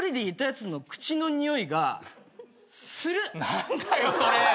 何だよそれ！